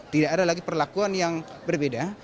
tidak ada lagi perlakuan yang berbeda